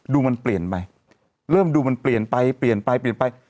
ดูมันเปลี่ยนไปเริ่มดูมันเปลี่ยนไปเปลี่ยนไปเปลี่ยนไป